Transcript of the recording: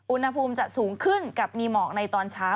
อุณหภูมิจะสูงขึ้นกับมีหมอกในตอนเช้า